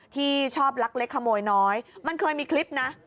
ที่ชอบลักเล็กขโมยน้อยมันเคยมีคลิปนะ